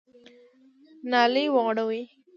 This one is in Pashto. نالۍ وغوړوئ !